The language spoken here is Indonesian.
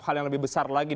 hal yang lebih besar lagi